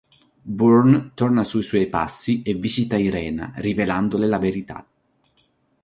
Bourne torna sui suoi passi e visita Irena, rivelandole la verità.